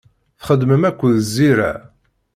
Txeddmem akked Zira.